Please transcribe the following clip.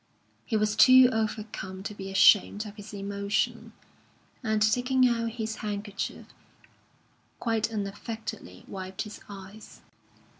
He was too overcome to be ashamed of his emotion, and taking out his handkerchief, quite unaffectedly wiped his eyes.